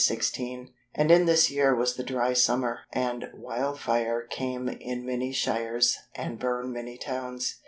16]; and in this year was the dry summer, and wildfire came in many Shires and burned many towns."